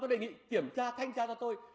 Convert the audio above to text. tôi đề nghị kiểm tra thanh tra cho tôi